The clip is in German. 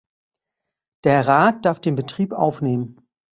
Der Rat darf den Betrieb aufnehmen.